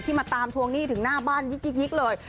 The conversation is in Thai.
มาตามทวงหนี้ถึงหน้าบ้านยิกเลย